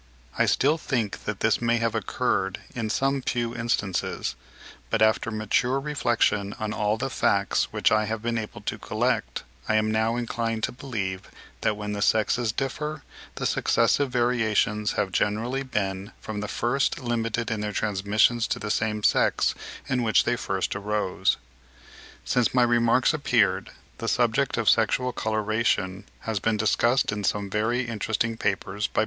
I still think that this may have occurred in some few instances: but after mature reflection on all the facts which I have been able to collect, I am now inclined to believe that when the sexes differ, the successive variations have generally been from the first limited in their transmission to the same sex in which they first arose. Since my remarks appeared, the subject of sexual coloration has been discussed in some very interesting papers by Mr. Wallace (2.